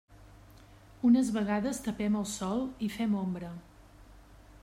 Unes vegades tapem el sol i fem ombra.